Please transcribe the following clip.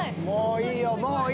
もういい！